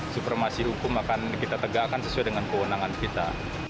supremasi hukum akan kita tegakkan sesuai dengan kewenangan kita